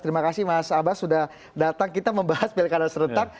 terima kasih mas abbas sudah datang kita membahas pilkada serentak